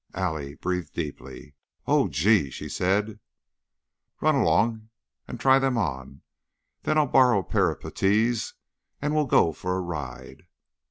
Allie breathed deeply. "Oh, Gee!" she said. "Run along and try them on, then I'll borrow a pair of puttees and we'll go for a ride."